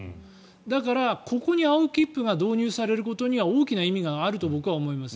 だから、ここに青切符が導入されることには大きな意味があると僕は思います。